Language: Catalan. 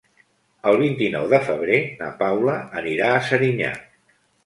El vint-i-nou de febrer na Paula anirà a Serinyà.